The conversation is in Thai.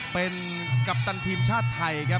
เป็นกัปตันทีมชาติไทยครับ